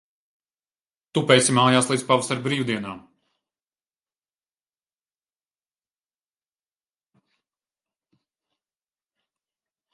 Tupēsi mājās līdz pavasara brīvdienām.